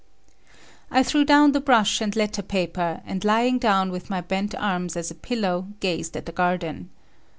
I threw down the brush and letter paper, and lying down with my bent arms as a pillow, gazed at the garden.